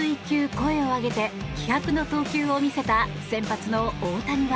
声を上げて気迫の投球を見せた先発の大谷は。